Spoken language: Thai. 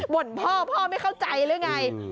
่นพ่อพ่อไม่เข้าใจหรือไง